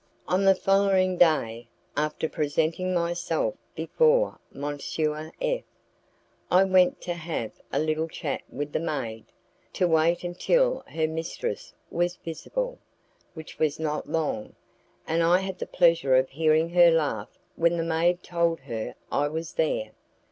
On the following day, after presenting myself before M. F , I went to have a little chat with the maid, to wait until her mistress was visible, which was not long, and I had the pleasure of hearing her laugh when the maid told her I was there.